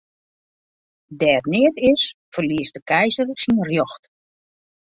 Dêr't neat is, ferliest de keizer syn rjocht.